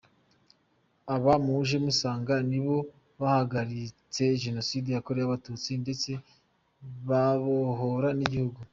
Aba muje musanga nibo bahagaritse Jenoside yakorewe Abatutsi ndetse babohora n’igihugu.